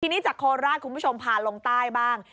ทีนี้จากโคราชคุณผู้ชมพาลงใต้บ้าง